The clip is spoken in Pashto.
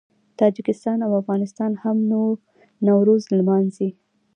تاجکستان او افغانستان هم نوروز لمانځي.